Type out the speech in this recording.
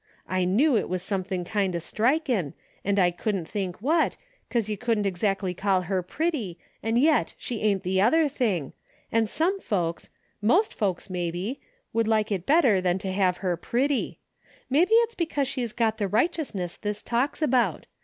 I knew it was something kind o' strikin', and I couldn't think what, 'cause you wouldn't ex actly call her pretty, and yet she ain't the other thing, and some folks — most folks maybe — would like it better than to have her pretty. Maybe it's because she's got the righteousness this talks about.